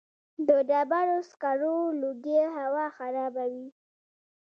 د ډبرو سکرو لوګی هوا خرابوي؟